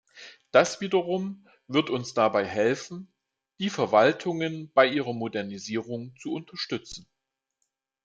Das wiederum wird uns dabei helfen, die Verwaltungen bei ihrer Modernisierung zu unterstützen.